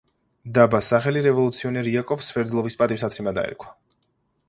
დაბას სახელი რევოლუციონერ იაკოვ სვერდლოვის პატივსაცემად დაერქვა.